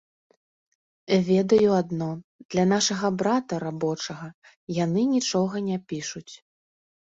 Ведаю адно, для нашага брата, рабочага, яны нічога не пішуць.